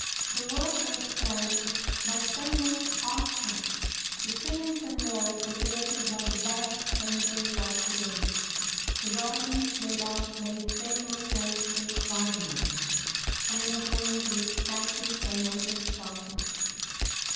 The work was planned by famous architects, the ceilings and walls deco rated by the best painters of the day, the gardens laid out by a famous landscape gardener, and adorned with statues by noted sculptors.